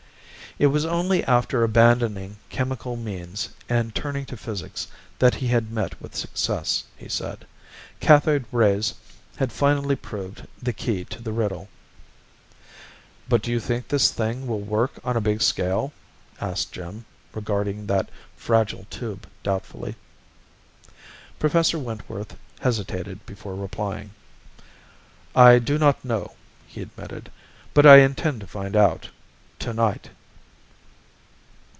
It was only after abandoning chemical means and turning to physics that he had met with success, he said. Cathode rays had finally proved the key to the riddle. "But do you think this thing will work on a big scale?" asked Jim regarding that fragile tube doubtfully. Professor Wentworth hesitated before replying. "I do not know," he admitted, "but I intend to find out to night."